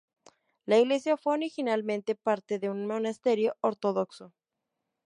La iglesia fue originalmente parte de un monasterio ortodoxo.